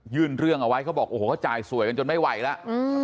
เรื่องเอาไว้เขาบอกโอ้โหเขาจ่ายสวยกันจนไม่ไหวแล้ว